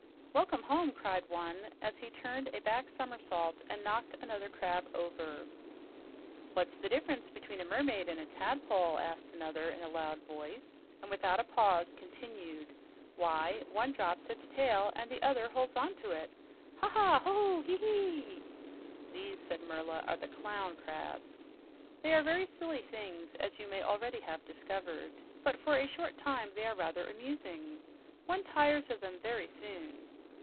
"Welcome home!" cried one as he turned a back somersault and knocked another crab over. "What's the difference between a mermaid and a tadpole?" asked another in a loud voice, and without a pause continued, "Why, one drops its tail and the other holds onto it. Ha, ha! Ho, ho! Hee, hee!" "These," said Merla, "are the clown crabs. They are very silly things, as you may already have discovered, but for a short time they are rather amusing. One tires of them very soon."